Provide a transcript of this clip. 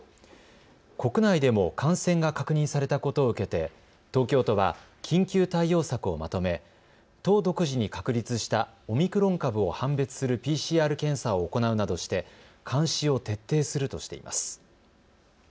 国内でも感染が確認されたことを受けて東京都は緊急対応策をまとめ都独自に確立したオミクロン株を判別するＰＣＲ検査を行うなどして監視を徹底するとしています。